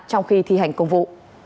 trong khi thi hành công vụ